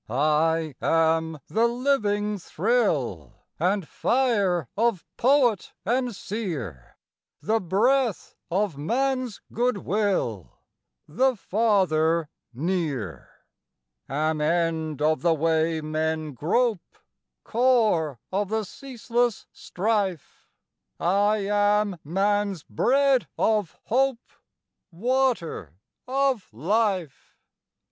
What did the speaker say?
I am the living thrill And fire of poet and seer, The breath of man's goodwill, The Father near; Am end of the way men grope, Core of the ceaseless strife, I am man's bread of hope, Water of life.